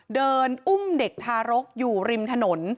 อุ้มเด็กทารกอยู่ริมถนน